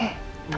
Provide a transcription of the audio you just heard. saya mau pergi